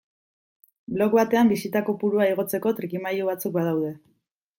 Blog batean bisita kopurua igotzeko trikimailu batzuk badaude.